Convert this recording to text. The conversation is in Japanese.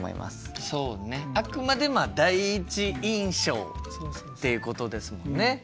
そうねあくまで第一印象ってことですもんね。